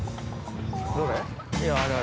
どれ？